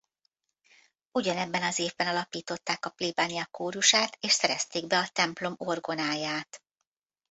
Ugyanebben az évben alapították a plébánia kórusát és szerezték be a templom orgonáját.